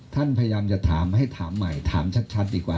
ท่านพยายามจะถามให้ใหม่ถามชัดดีกว่า